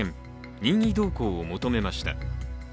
任意同行を求めました。